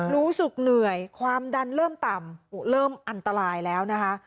รู้สึกเหนื่อยความดันเริ่มต่ำเริ่มอันตรายแล้วนะคะ